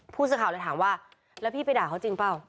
ผู้สื่อข่าวเลยถามว่าแล้วพี่ไปด่าเขาจริงเปล่า